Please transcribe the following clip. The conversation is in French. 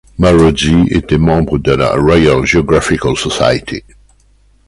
Marozzi était membre de la Royal Geographical Society.